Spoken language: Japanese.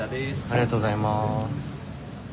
ありがとうございます。